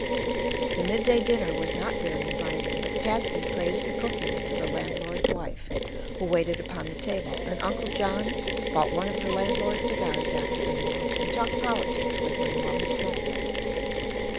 The mid day dinner was not very inviting, but Patsy praised the cooking to the landlord's wife, who waited upon the table, and Uncle John bought one of the landlord's cigars after the meal and talked politics with him while he smoked it.